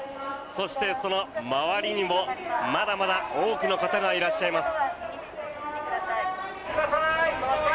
そして、その周りにもまだまだ多くの方がいらっしゃいます。